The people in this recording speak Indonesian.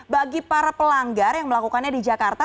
bagi para pelanggar yang melakukannya di jakarta